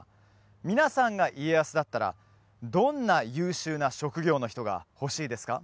皆さんが家康だったらどんな優秀な職業の人が欲しいですか？